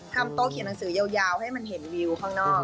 โต๊เขียนหนังสือยาวให้มันเห็นวิวข้างนอก